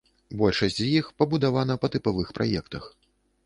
Большасць з іх пабудавана па тыпавых праектах.